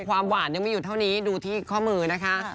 ความหวานยังไม่หยุดเท่านี้ดูที่ข้อมือนะคะ